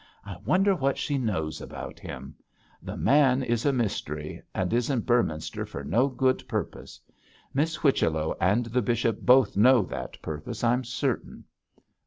'I wonder what she knows about him. The man is a mystery, and is in Beorminster for no good purpose. Miss Whichello and the bishop both know that purpose, I'm certain.